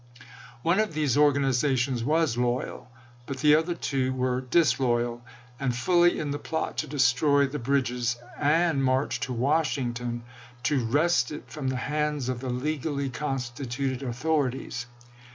One of these organizations was loyal; but the other two were disloyal, and fully in the plot to destroy the bridges, and march to Washington, to wrest it from the hands of the legally constituted authorities.